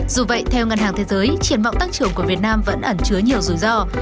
dù vậy theo ngân hàng thế giới triển vọng tăng trưởng của việt nam vẫn ẩn chứa nhiều rủi ro